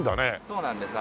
そうなんです。